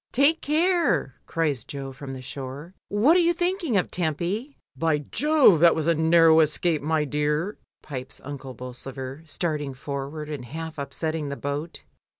"Take care," cries Jo from the shore. "What are you thinking of, Tempy?" "By Jove! that was a narrow escape, my dear," pipes Unde Bolsover, starting forward and half up setting the boat "A BOAT, A BOAT UNTO THE FERRY."